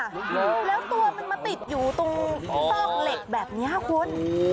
แล้วตัวมันมาติดอยู่ตรงซอกเหล็กแบบนี้คุณ